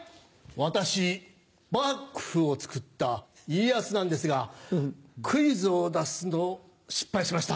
私幕府を作った家康なんですがクイズを出すのを失敗しました。